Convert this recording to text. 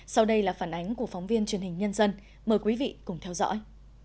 sau đây là phản ánh của phóng viên truyền hình nhân dân mời quý vị cùng theo dõi